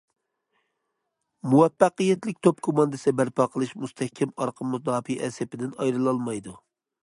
مۇۋەپپەقىيەتلىك توپ كوماندىسى بەرپا قىلىش مۇستەھكەم ئارقا مۇداپىئە سېپىدىن ئايرىلالمايدۇ.